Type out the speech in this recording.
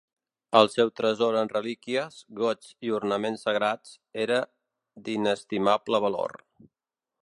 El seu tresor en relíquies, gots i ornaments sagrats, era d'inestimable valor.